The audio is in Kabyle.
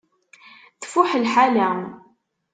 Tfuḥ lḥala.